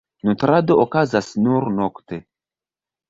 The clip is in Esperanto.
Nutrado okazas nur nokte.